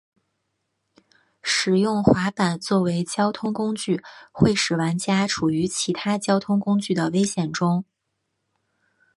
使用滑板作为交通工具会使玩家处于其他交通工具的危险中。